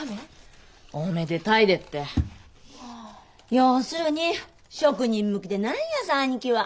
要するに職人向きでないんやさ兄貴は。